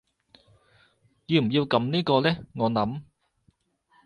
要唔要撳呢個呢我諗